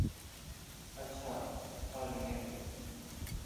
اچھا ، پرملیں گے